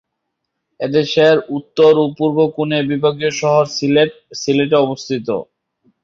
এটি দেশের উত্তর-পূর্ব কোণের বিভাগীয় শহর সিলেটে অবস্থিত।